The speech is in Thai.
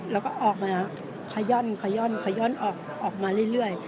แล้วก็ออกมาขย่อนขย่อนขย่อนออกมาเรื่อย